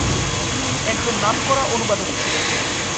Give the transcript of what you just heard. তিনি একজন নামকরা অনুবাদক ছিলেন।